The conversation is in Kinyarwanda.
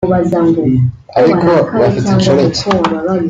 ariko bafite inshoreke